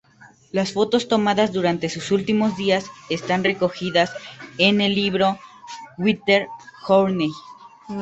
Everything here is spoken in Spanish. Las fotos tomadas durante sus últimos días están recogidas en el libro "Winter Journey".